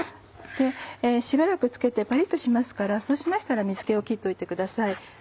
しばらく漬けてパリっとしますからそうしましたら水気を切っといてください。